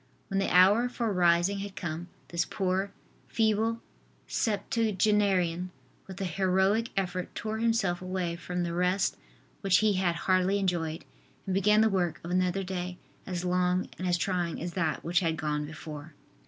When the hour for rising had come, this poor, feeble septuagenarian with a heroic effort tore himself away from the rest which he had hardly enjoyed and began the work of another day as long and as trying as that which had gone before.